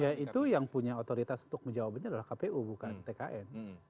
ya itu yang punya otoritas untuk menjawabnya adalah kpu bukan tkn